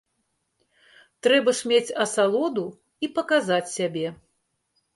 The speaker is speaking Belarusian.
Трэба ж мець асалоду і паказаць сябе.